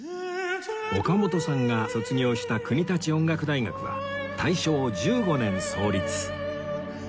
岡本さんが卒業した国立音楽大学は大正１５年創立